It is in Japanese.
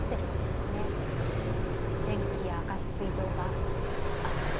電気やガス水道があって。